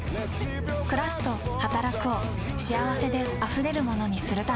「くらす」と「はたらく」を幸せであふれるものにするために。